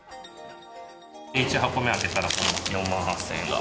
１箱目開けたらこれ４万８０００円が。